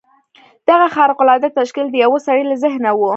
دغه خارق العاده تشکیل د یوه سړي له ذهنه و